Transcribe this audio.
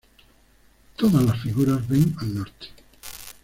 Todas las figuras ven al norte.